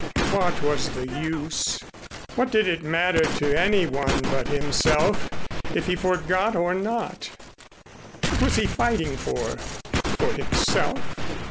What was the use? What did it matter to any one but himself if he forgot or not? What was he fighting for? For himself?